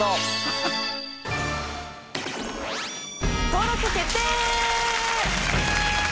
登録決定！